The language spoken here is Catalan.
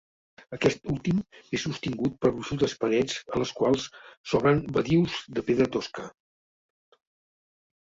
Aquest últim és sostingut per gruixudes parets a les quals s'obren badius de pedra tosca.